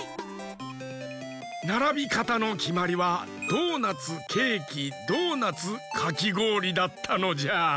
ならびかたのきまりはドーナツケーキドーナツかきごおりだったのじゃ。